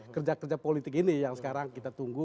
kerja kerja politik ini yang sekarang kita tunggu